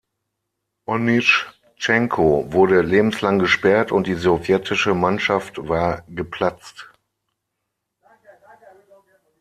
Onyschtschenko wurde lebenslang gesperrt und die sowjetische Mannschaft war geplatzt.